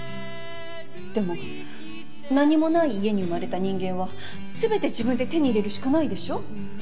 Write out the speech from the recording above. でも何もない家に生まれた人間は全て自分で手に入れるしかないでしょ。